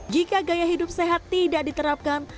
jika gaya hidup sehat tidak diterapkan